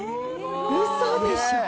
うそでしょ。